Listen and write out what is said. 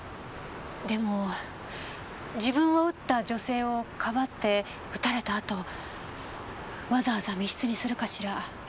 でも自分を撃った女性をかばって撃たれたあとわざわざ密室にするかしら。